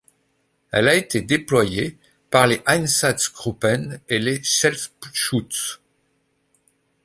Elle a été déployée par les Einsatzgruppen et les Selbstschutz.